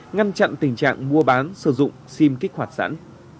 ngăn chặn tình trạng mua bán sử dụng sim kích hoạt sẵn